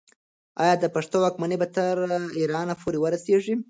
آیا د پښتنو واکمني به تر ایران پورې ورسیږي؟